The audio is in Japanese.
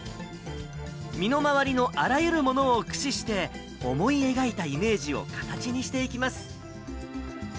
身の回りのあらゆるものを駆使して、思い描いたイメージを形にしていきます。